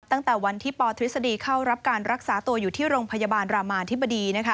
ตั้งแต่วันที่ปทฤษฎีเข้ารับการรักษาตัวอยู่ที่โรงพยาบาลรามาธิบดี